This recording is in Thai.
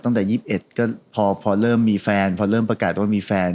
ตั้งแต่๒๑พอเริ่มมีแฟน